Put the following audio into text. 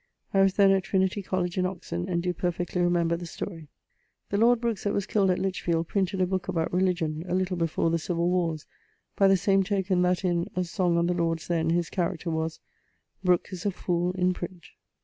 I was then at Trinity College in Oxon. and doe perfectly remember the story. The lord Brookes, that was killed at Lichfield, printed a booke about Religion, a little before the civill warres, by the same token that in song on the Lords then, his was: 'Brook is a foole in print.'